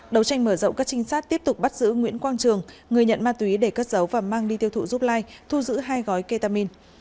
đầu tranh mở rộng các trinh sát tiếp tục bắt giữ nguyễn quang trường người nhận ma túy để cất giấu và mang đi tiêu thụ giúp lai thu giữ hai gói ketamin